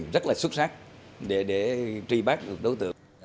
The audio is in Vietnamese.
rất là xuất sắc để tri bác được đối tượng